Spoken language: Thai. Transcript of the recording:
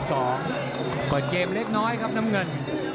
ก่อนเกมเล็กน้อยครับน้ำเงิน